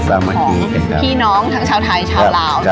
ของพี่น้องทั้งชาวไทยชาวลาว